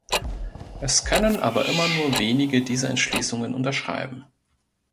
Es können aber immer nur wenige diese Entschließungen unterschreiben.